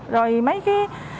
rồi mấy cái